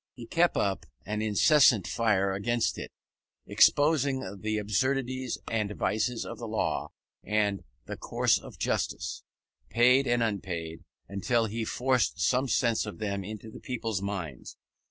He kept up an incessant fire against it, exposing the absurdities and vices of the law and the courts of justice, paid and unpaid, until he forced some sense of them into people's minds.